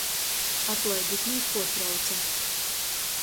Atlaidit, myus puortrauce.